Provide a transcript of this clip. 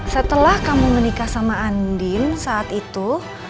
setelah kamu menikah sama andin saat itu